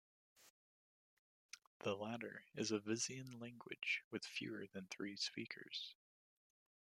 The latter is a Visayan language with fewer than three speakers.